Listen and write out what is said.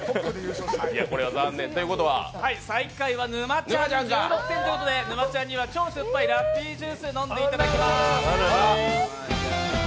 最下位は沼ちゃん１６点ということで沼ちゃんには超酸っぱいラッピージュースを飲んでいただきます。